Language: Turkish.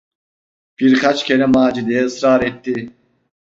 Birkaç kere Macide’ye ısrar etti.